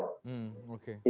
insya allah kita bisa menghadapi